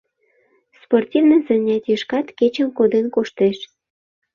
Спортивный занятийышкат кечым коден коштеш.